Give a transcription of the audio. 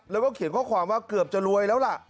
แล้วก็เขียนข้อความว่าเกือบจะรวยแล้วล่ะ